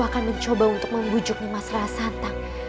aku akan mencoba untuk membujuk nimas rasantang